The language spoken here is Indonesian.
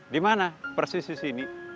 dimana persis disini